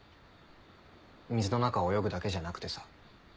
水の中泳ぐだけじゃなくてさ。